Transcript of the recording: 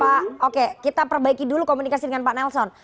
pak oke kita perbaiki dulu komunikasi dengan pak nelson